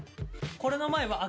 これの前は赤。